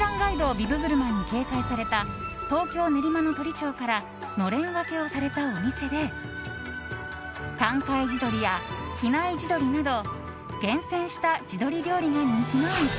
ビブグルマンに掲載された東京・練馬の鳥長からのれん分けをされたお店で淡海地鶏や比内地鶏など厳選した地鶏料理が人気のお店。